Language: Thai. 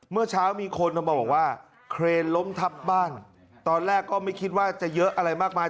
เมื่อเช้ามีคนมาบอกว่าเครนล้มทับบ้านตอนแรกก็ไม่คิดว่าจะเยอะอะไรมากมาย